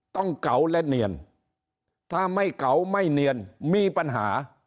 เก๋าและเนียนถ้าไม่เก๋าไม่เนียนมีปัญหา